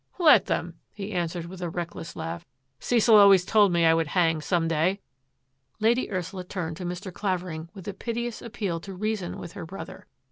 Let them !" he answered with a reckless laugh. " Cecil always told me I would hang some day." Lady Ursula turned to Mr. Clavering with a piteous appeal to reason with her brother.